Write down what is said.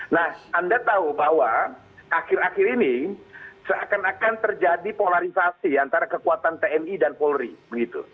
nah anda tahu bahwa akhir akhir ini seakan akan terjadi polarisasi antara kekuatan tni dan polri begitu